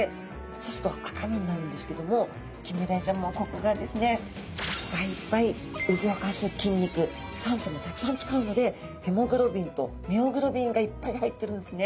そうすると赤身になるんですけどもキンメダイちゃんもここがですねいっぱいいっぱい動かす筋肉酸素もたくさん使うのでヘモグロビンとミオグロビンがいっぱい入ってるんですね。